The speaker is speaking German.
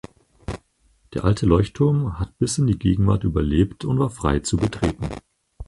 Der alte Leuchtturm hat bis in die Gegenwart überlebt und war frei zu betreten.